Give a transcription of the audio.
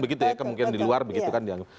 begitu ya kemungkinan di luar begitu kan dianggap